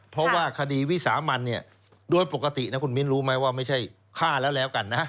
เพราะว่าคดีวิสามันเนี่ยโดยปกตินะคุณมิ้นรู้ไหมว่าไม่ใช่ฆ่าแล้วแล้วกันนะ